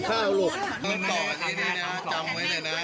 ไปนอนไปกินข้าวลูก